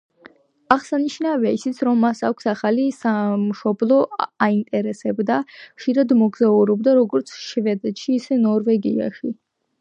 აღსანიშნავია ისიც, რომ მას ახალი სამშობლო აინტერესებდა და ხშირად მოგზაურობდა როგორც შვედეთში, ისე ნორვეგიაში.